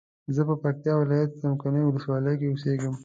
زه په پکتیا ولایت څمکنیو ولسوالۍ کی اوسیږم